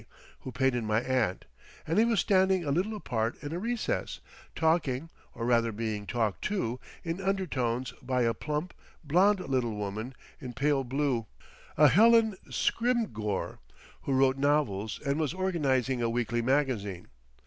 who painted my aunt, and he was standing a little apart in a recess, talking or rather being talked to in undertones by a plump, blond little woman in pale blue, a Helen Scrymgeour who wrote novels and was organising a weekly magazine.